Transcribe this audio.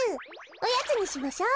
おやつにしましょう。